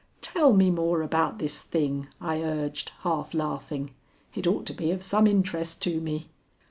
"Tell me more about this thing," I urged, half laughing. "It ought to be of some interest to me."